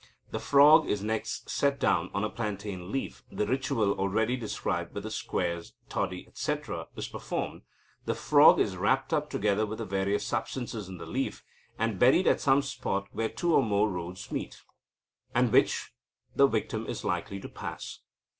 The frog is next set down on a plantain leaf, the ritual already described with the squares, toddy, etc., is performed, the frog is wrapped up together with the various substances in the leaf, and buried at some spot where two or more roads meet, and which the victim is likely to pass.